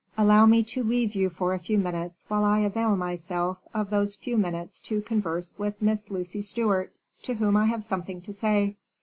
Allow me to leave you for a few minutes, while I avail myself of those few minutes to converse with Miss Lucy Stewart, to whom I have something to say."